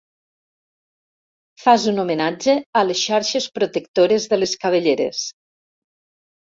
Fas un homenatge a les xarxes protectores de les cabelleres.